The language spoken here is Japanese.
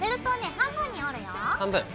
半分。